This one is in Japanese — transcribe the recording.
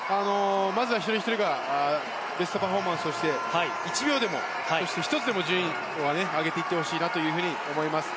まずは一人ひとりがベストパフォーマンスをして１秒でも、１つでも順位を上げていってほしいと思います。